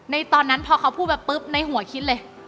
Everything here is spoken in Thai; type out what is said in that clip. ตอนนั้นพอเขาพูดมาปุ๊บในหัวคิดเลย